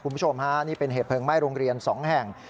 คุณผู้ชมฮะนี่เป็นเหตุเพลิงไหม้โรงเรียน๒แห่ง